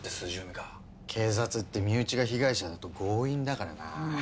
警察って身内が被害者だと強引だからなあ。